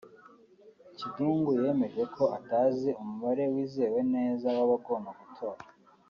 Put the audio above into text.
Kiggundu yemeye ko atazi umubare wizewe neza w’abagombaga gutora